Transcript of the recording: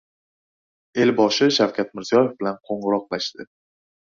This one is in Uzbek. Elboshi Shavkat Mirziyoyev bilan qo‘ng‘iroqlashdi